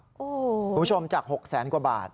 คุณผู้ชมจาก๖แสนกว่าบาท